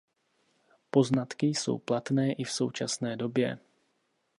Poznatky jsou platné i v současné době.